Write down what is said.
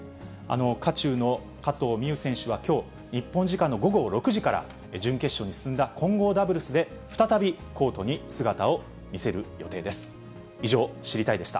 渦中の加藤未唯選手はきょう、日本時間の午後６時から、準決勝に進んだ混合ダブルスで、再びコートに姿を見せる予定です。